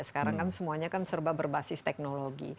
sekarang kan semuanya kan serba berbasis teknologi